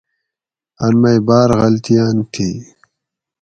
ان مئ باۤر غلطیاۤن تھی